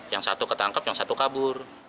yang satu ketangkep yang satu kabur